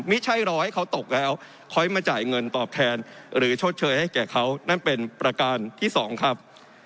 ไม่ใช่รอให้เขาตกแล้วค่อยมาจ่ายเงินตอบแทนหรือชดเชยให้แก่เขานั่นเป็นประการที่สองครับ